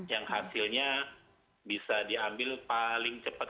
yang hasilnya bisa diambil paling cepat